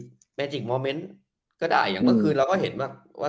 อืมอาจจะมีก็ได้อย่างเมื่อคืนเราก็เห็นว่าว่า